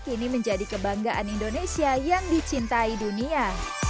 kini menjadi kebanggaan indonesia yang dicintai dunia